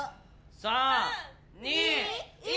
３２１！